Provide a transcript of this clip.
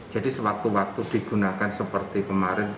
jadi sewaktu waktu digunakan seperti kemarin